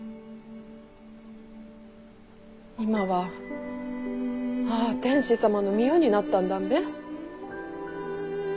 今ははあ天子様の御代になったんだんべ？